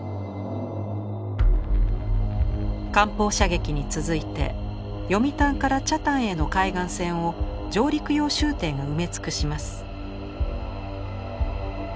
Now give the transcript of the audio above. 艦砲射撃に続いて読谷から北谷への海岸線を上陸用舟艇が埋め尽くします。